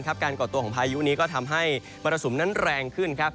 ก่อตัวของพายุนี้ก็ทำให้มรสุมนั้นแรงขึ้นครับ